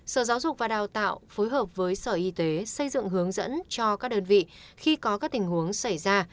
sở giáo dục và đào tạo phối hợp với sở y tế xây dựng hướng dẫn cho các đơn vị khi có các tình huống xảy ra